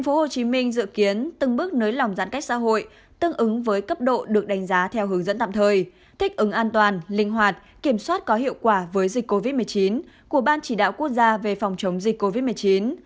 tp hcm dự kiến từng bước nới lỏng giãn cách xã hội tương ứng với cấp độ được đánh giá theo hướng dẫn tạm thời thích ứng an toàn linh hoạt kiểm soát có hiệu quả với dịch covid một mươi chín của ban chỉ đạo quốc gia về phòng chống dịch covid một mươi chín